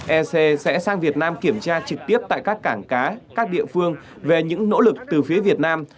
ec sẽ sang việt nam kiểm tra trực tiếp tại các cảng cá các địa phương về những nỗ lực từ phía việt nam